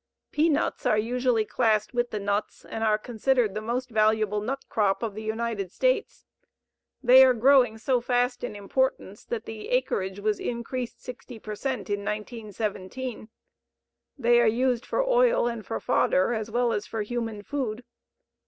Peanuts are usually classed with the nuts and are considered the most valuable nut crop of the United States. They are growing so fast in importance that the acreage was increased 60 per cent in 1917. They are used for oil and for fodder as well as for human food.